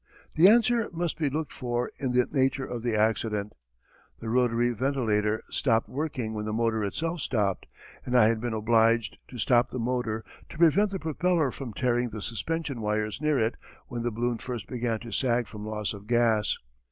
The answer must be looked for in the nature of the accident. The rotary ventilator stopped working when the motor itself stopped, and I had been obliged to stop the motor to prevent the propeller from tearing the suspension wires near it when the balloon first began to sag from loss of gas.